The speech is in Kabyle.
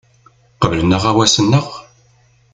Qeblen aɣawas-nneɣ.